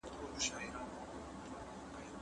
یوه سیوري ته دمه سو لکه مړی